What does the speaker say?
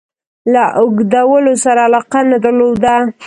له اوږدولو سره علاقه نه درلوده.